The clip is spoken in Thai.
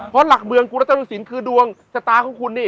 เพราะหลักเมืองกุรัตนสินคือดวงชะตาของคุณนี่